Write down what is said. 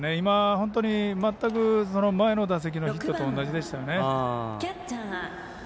本当に全くその前の打席のヒットと同じでしたね。